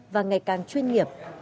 và ngày càng chuyên nghiệp